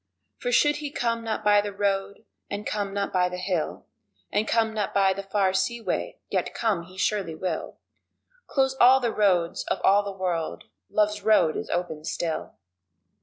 For should he come not by the road, and come not by the hill And come not by the far seaway, yet come he surely will Close all the roads of all the world, love's road is open still!